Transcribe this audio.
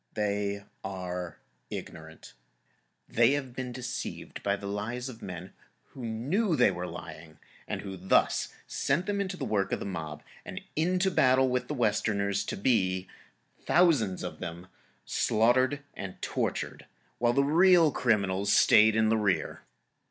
They are ignorant. They have been deceived by the lies of men who knew they were lying, and who thus sent them into the work of the mob and into battle with the Westerners, to be—thousands of them—slaughtered and tortured, while the real criminals stayed in the rear.